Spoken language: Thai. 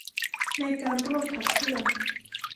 ในการร่วมขับเคลื่อน